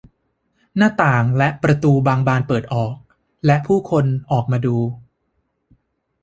หน้าต่างและประตูบางบานเปิดออกและผู้คนออกมาดู